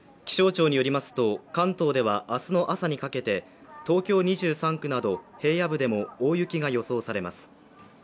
気象庁によりますと、関東では明日の朝にかけて東京２３区など平野部でも大雪が予想されます。